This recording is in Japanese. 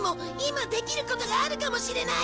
今できることがあるかもしれない。